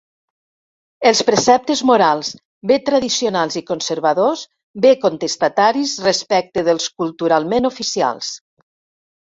Els preceptes morals, bé tradicionals i conservadors, bé contestataris respecte dels culturalment oficials.